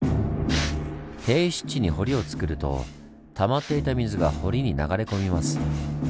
低湿地に堀をつくるとたまっていた水が堀に流れ込みます。